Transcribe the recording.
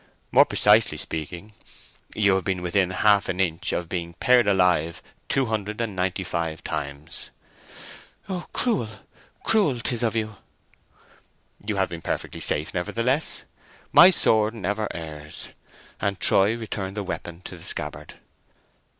"More precisely speaking, you have been within half an inch of being pared alive two hundred and ninety five times." "Cruel, cruel, 'tis of you!" "You have been perfectly safe, nevertheless. My sword never errs." And Troy returned the weapon to the scabbard.